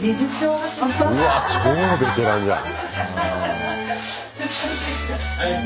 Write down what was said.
うわ超ベテランじゃん。